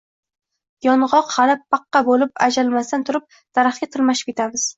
Yong‘oq hali «paqqa» bo‘lib ajralmasdan turib, daraxtga tarmashib ketamiz.